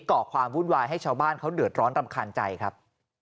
ก่อความวุ่นวายให้ชาวบ้านเขาเดือดร้อนรำคาญใจครับ